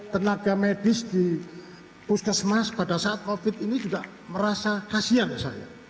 tenaga medis di puskesmas pada saat covid ini juga merasa kasian ya saya